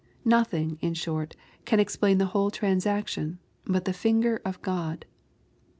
Nothing, in short, can explain the whole transaction, but the finger of God.